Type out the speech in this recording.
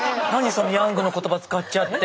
そのヤングの言葉使っちゃって。